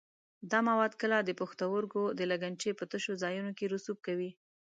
دا مواد کله د پښتورګو د لګنچې په تشو ځایونو کې رسوب کوي.